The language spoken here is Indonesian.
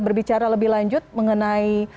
berbicara lebih lanjut mengenai